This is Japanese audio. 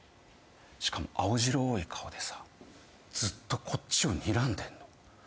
しかも青白い顔でさずっとこっちをにらんでんの。